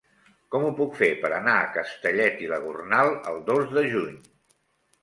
Com ho puc fer per anar a Castellet i la Gornal el dos de juny?